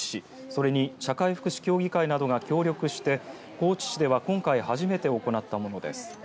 それに社会福祉協議会などが協力して高知市では今回、初めて行ったものです。